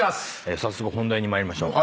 早速本題に参りましょう。